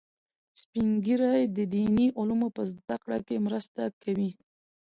سپین ږیری د دیني علومو په زده کړه کې مرسته کوي